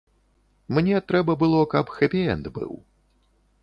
Мне трэба было, каб хэпі-энд быў.